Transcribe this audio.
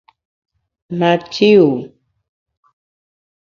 Ma té wu !